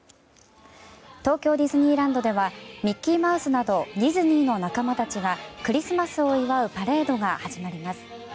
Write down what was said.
東京ディズニーランドではミッキーマウスなどディズニーの仲間たちがクリスマスを祝うパレードが始まります。